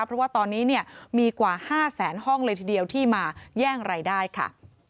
เพราะว่าตอนนี้เนี่ยมีกว่า๕แสนห้องเลยทีเดียวที่มาแย่งรายได้ค่ะ